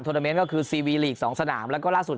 นาเมนต์ก็คือซีวีลีก๒สนามแล้วก็ล่าสุด